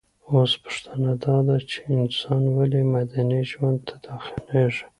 اوس پوښتنه داده چي انسان ولي مدني ژوند ته داخليږي؟